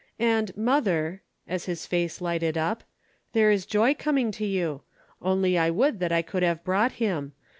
And, mother," as his face lighted up, "there is joy coming to you. Only I would that I could have brought him.